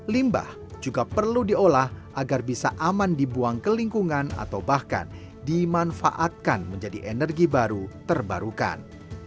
limbah juga perlu diolah agar bisa aman dibuang ke lingkungan atau bahkan dimanfaatkan menjadi energi baru terbarukan